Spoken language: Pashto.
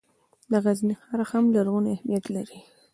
د غزني ښار هم لرغونی اهمیت لري.